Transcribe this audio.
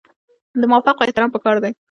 د مافوق احترام پکار دی